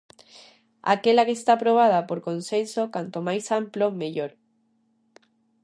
Aquela que está aprobada por consenso, canto máis amplo, mellor.